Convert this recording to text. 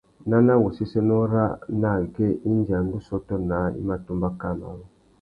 Nana wu séssénô râā nà agüê indi a ndú sôtô naā i mà tumba kā marru.